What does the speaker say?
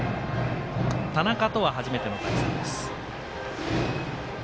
田中とは初めての対戦です。